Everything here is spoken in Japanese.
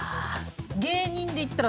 芸人でいったら。